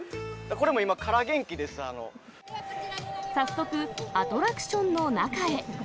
これも今、から元気で早速、アトラクションの中へ。